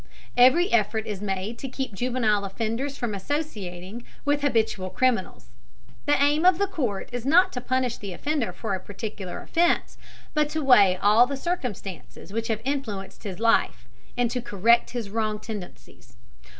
Every effort is made to keep juvenile offenders from associating with habitual criminals. The aim of the court is not to punish the offender for a particular offense, but to weigh all the circumstances which have influenced his life, and to correct his wrong tendencies.